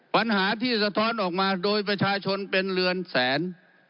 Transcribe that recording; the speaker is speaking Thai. ปัญหาที่สะท้อนออกมาโดยประชาชนเป็นเรือนแสน